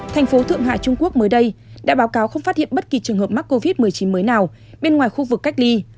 thành phố thượng hải trung quốc mới đây đã báo cáo không phát hiện bất kỳ trường hợp mắc covid một mươi chín mới nào bên ngoài khu vực cách ly